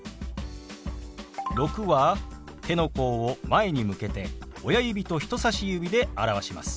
「６」は手の甲を前に向けて親指と人さし指で表します。